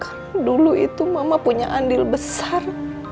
karena dulu itu mama punya andil besar